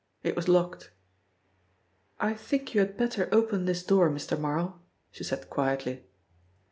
It was locked. "I think you had better open this door, Mr. Marl," she said quietly.